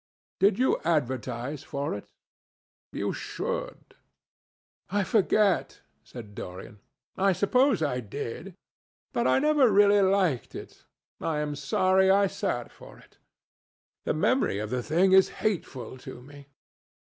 Did you advertise for it? You should." "I forget," said Dorian. "I suppose I did. But I never really liked it. I am sorry I sat for it. The memory of the thing is hateful to me.